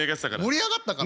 盛り上がったかな？